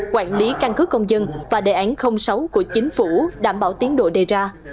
quản lý căn cứ công dân và đề án sáu của chính phủ đảm bảo tiến độ đề ra